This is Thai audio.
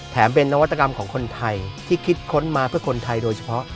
เป็นนวัตกรรมของคนไทยที่คิดค้นมาเพื่อคนไทยโดยเฉพาะ